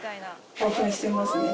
興奮してますね。